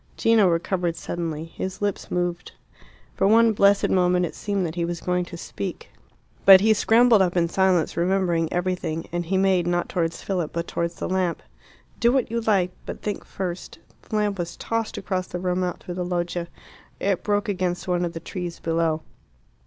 Gino recovered suddenly. His lips moved. For one blessed moment it seemed that he was going to speak. But he scrambled up in silence, remembering everything, and he made not towards Philip, but towards the lamp. "Do what you like; but think first " The lamp was tossed across the room, out through the loggia. It broke against one of the trees below.